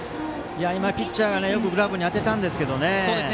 ピッチャーがよくグラブに当てたんですがね。